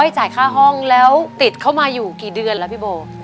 จ่ายค่าห้องแล้วติดเข้ามาอยู่กี่เดือนแล้วพี่โบ